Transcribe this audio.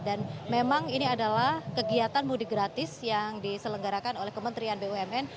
dan memang ini adalah kegiatan mudik gratis yang diselenggarakan oleh kementerian bumn